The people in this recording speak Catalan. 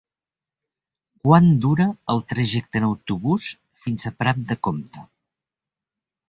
Quant dura el trajecte en autobús fins a Prat de Comte?